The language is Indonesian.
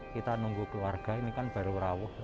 kita nunggu keluarga ini kan baru rawuh